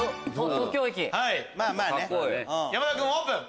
山田君オープン。